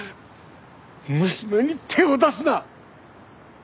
娘に手を出すな！